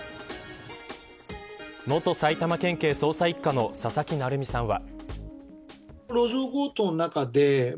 元埼玉県警捜査一課の佐々木成三さんは。